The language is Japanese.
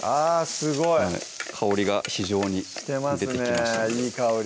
すごい香りが非常にしてますねぇいい香り